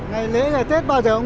tại sao mình lại chấp nhận